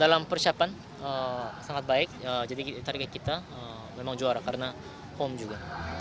dalam persiapan sangat baik jadi target kita memang juara karena home juga